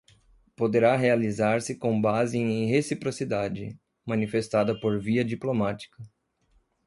poderá realizar-se com base em reciprocidade, manifestada por via diplomática.